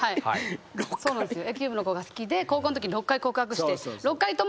野球部の子が好きで高校のときに６回告白して。